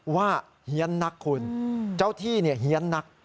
เฮียนนักคุณเจ้าที่เฮียนนัก